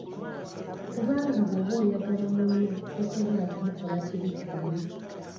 Kubanga bw’oba oyagala munno tosobola kumukola kibi kyonna.